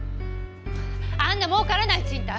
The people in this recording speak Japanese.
あんなもうからない賃貸